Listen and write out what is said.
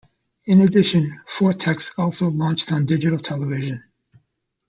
In addition, FourText also launched on digital television.